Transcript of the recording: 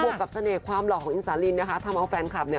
กับเสน่ห์ความหล่อของอินสาลินนะคะทำเอาแฟนคลับเนี่ย